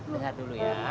dengar dulu ya